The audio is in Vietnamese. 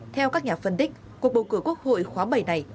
theo các nhà phân tích cuộc bầu cử quốc hội khóa bảy này